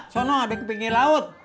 sona bekeping bekeping laut